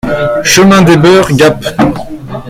Chemin Dès Boeres, Gap